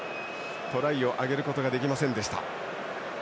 トライを挙げることができませんでした。